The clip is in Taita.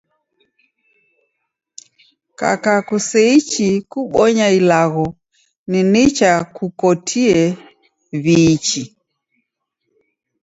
Kaka kuseichi kubonya ilagho, ni nicha kukotie w'iichi